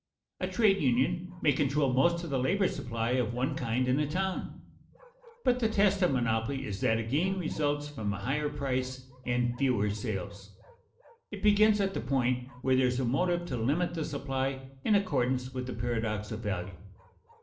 A trade union may control most of the labor supply of one kind in a town. But the test of monopoly is that a gain results from a higher price and fewer sales. It begins at the point where there is a motive to limit the supply in accordance with the paradox of value.